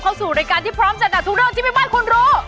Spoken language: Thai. เข้าสู่รายการที่พร้อมจัดหนักทุกเรื่องที่แม่บ้านคุณรู้